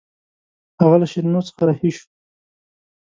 هغه له شیرینو څخه رهي شو.